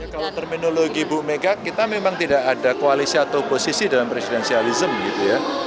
kalau terminologi bu mega kita memang tidak ada koalisi atau posisi dalam presidensialism gitu ya